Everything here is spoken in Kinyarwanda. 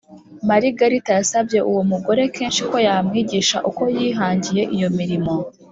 Marigarita yasabye uwo mugore kenshi ko yamwigisha uko yihangiye iyo mirimo